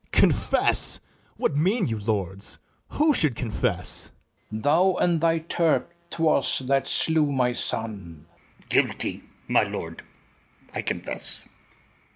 Confess! what mean you, lords? who should confess? FERNEZE. Thou and thy Turk; 'twas that slew my son. ITHAMORE. Guilty, my lord, I confess.